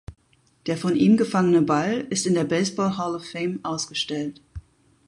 Der von ihm gefangene Ball ist in der Baseball Hall of Fame ausgestellt.